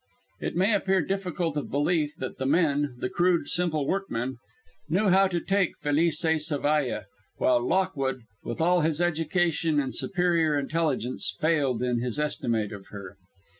It may appear difficult of belief that the men, the crude, simple workmen, knew how to take Felice Zavalla, while Lockwood, with all his education and superior intelligence, failed in his estimate of her.